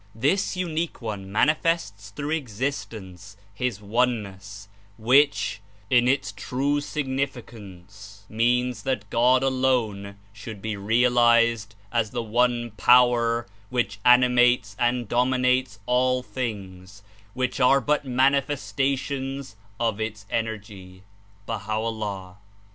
*' This Unique One manifests through existence his Oneness which — "in its true significance means that God alone should be realized as the One Pozier zvhich animates and dominates all things, zvhich are but ynanifestations of its energy." (Baiia'o'llah.)